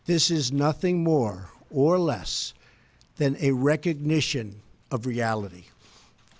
ini bukan apa apa lagi atau kurang dari pengenalan realitinya